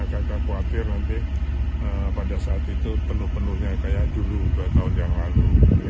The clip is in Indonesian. karena agak khawatir nanti pada saat itu penuh penuhnya kayak dulu dua tahun yang lalu